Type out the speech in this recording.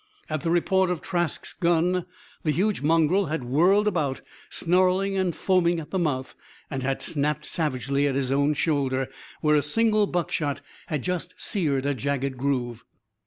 At the report of Trask's gun, the huge mongrel had whirled about, snarling and foaming at the mouth and had snapped savagely at his own shoulder; where a single buckshot had just seared a jagged groove.